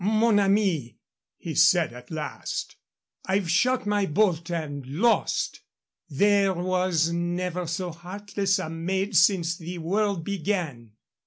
"Mon ami," he said at last, "I've shot my bolt and lost. There was never so heartless a maid since the world began."